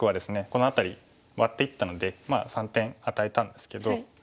この辺りワッていったので３点与えたんですけど。